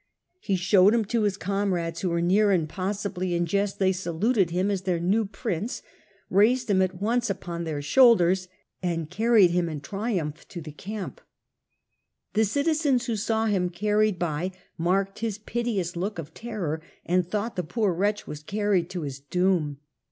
He showed him to his com rades who were near, and, possibly in jest, they saluted carried him ^im as their new prince, raised him at once to the camp, ^pon their shoulders, and carried him in triumph to the camp. The citizens who saw him carried by marked his piteous look of terror, and thought the poor wretch was carried to his doom.